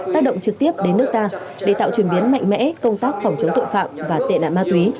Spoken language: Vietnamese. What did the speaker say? tác động trực tiếp đến nước ta để tạo truyền biến mạnh mẽ công tác phòng chống tội phạm và tệ nạn ma túy